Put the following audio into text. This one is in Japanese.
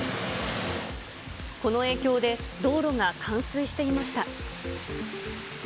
この影響で、道路が冠水していました。